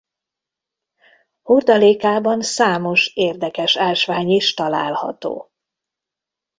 Hordalékában számos érdekes ásvány is található.